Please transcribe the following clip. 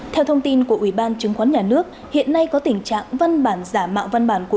theo thông tin của ủy ban chứng khoán nhà nước hiện nay có tình trạng văn bản giả mạo văn bản của